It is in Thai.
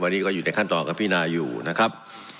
วันนี้ก็อยู่ในขั้นตอนกับพินาอยู่นะครับ